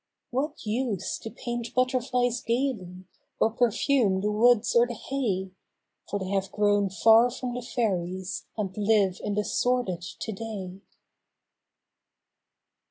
What use to paint butterflies gayly or perfume the woods or the hay For they have grown far from the fairies and live in the sordid today.